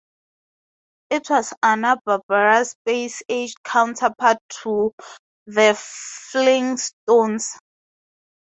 It was Hanna-Barbera's Space Age counterpart to "The Flintstones".